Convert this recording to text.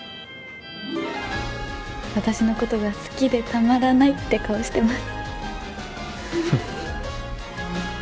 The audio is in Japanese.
私のことが好きでたまらないって顔してます